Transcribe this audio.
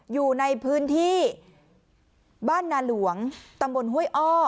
อยู่ในพื้นที่บ้านนาหลวงตำบลห้วยอ้อ